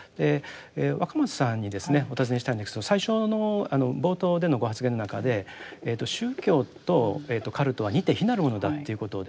若松さんにお尋ねしたいんですけど最初の冒頭でのご発言の中で宗教とカルトは似て非なるものだということをですね